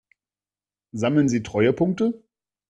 Sammeln Sie Treuepunkte?